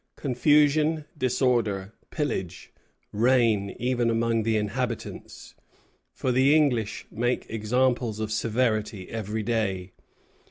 Confusion, disorder, pillage reign even among the inhabitants, for the English make examples of severity every day.